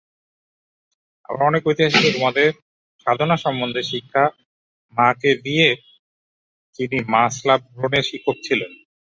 আবার অনেক ঐতিহাসিকের মতে, ফা-দাম-পা-সাংস-র্গ্যাস ছেদ সাধনা সম্বন্ধে শিক্ষা ক্যো-ব্সোদ-নাম্স-ব্লা-মাকে দিয়ে যান, যিনি মা-গ্চিগ-লাব-স্গ্রোনের শিক্ষক ছিলেন।